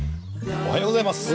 おはようございます。